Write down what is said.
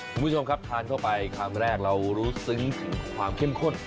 คุณผู้ชมครับทานเข้าไปครั้งแรกเรารู้สึกซึ้งถึงความเข้มข้น